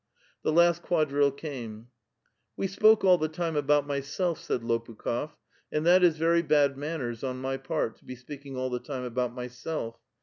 The last quadrille came. *' We spoke all the time about myself," said Lopukh6f ;" and that is very bad manners on my part, to be speaking all the time about myself.